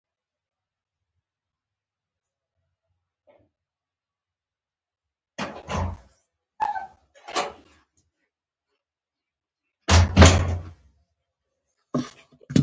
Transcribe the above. په یوازیتوب کې له موږ څخه نه غافله کیږي.